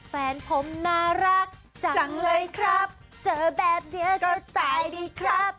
แฟนผมน่ารักจังเลยครับเจอแบบนี้ก็ตายดีครับ